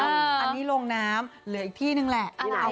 อันนี้ลงน้ำเหลืออีกที่นึงแหละ